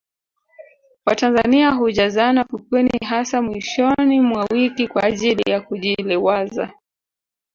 watanzania hujazana fukweni hasa mwishoni mwa wiki kwa ajili ya kujiliwaza